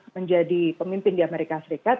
menjadi pemimpin di amerika serikat